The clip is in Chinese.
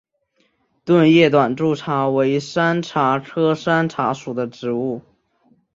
钝叶短柱茶为山茶科山茶属的植物。